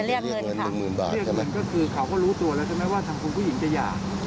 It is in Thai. เรียกเงินก็คือเขาก็รู้ตัวละใช่มะว่าหางคุณผู้หญิงจะยา